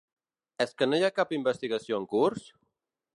És que hi ha cap investigació en curs?